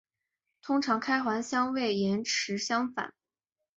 通常开环相位延迟反相。